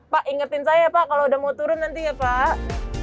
pak ingetin saya pak kalau udah mau turun nanti ya pak